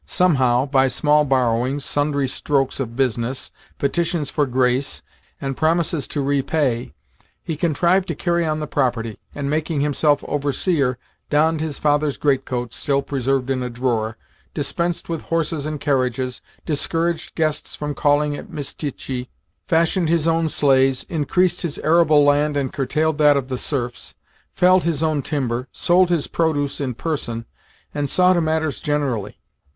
Somehow by small borrowings, sundry strokes of business, petitions for grace, and promises to repay he contrived to carry on the property, and, making himself overseer, donned his father's greatcoat (still preserved in a drawer), dispensed with horses and carriages, discouraged guests from calling at Mitishtchi, fashioned his own sleighs, increased his arable land and curtailed that of the serfs, felled his own timber, sold his produce in person, and saw to matters generally.